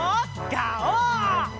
ガオー！